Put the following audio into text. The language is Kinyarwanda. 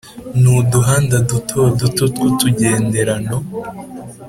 n’uduhanda duto duto tw’utugenderano